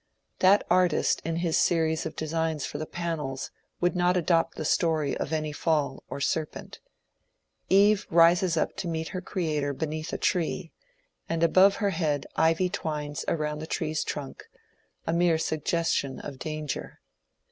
That artist in his series of designs for the gmels would not adopt the story of any Fall or Serpent, ▼e rises up to meet her Creator beneath a tree, and above her head ivy twines around the tree's trunk, a mere suggestion of danger.